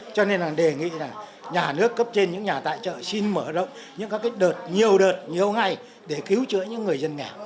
cho nên là đề nghị là nhà nước cấp trên những nhà tài trợ xin mở rộng những các cái đợt nhiều đợt nhiều ngày để cứu chữa những người dân nghèo